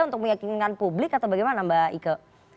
untuk meyakinkan publik atau bagaimana mbak ike